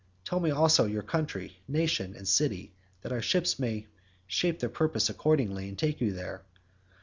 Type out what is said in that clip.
Tell me also your country, nation, and city, that our ships may shape their purpose accordingly and take you there.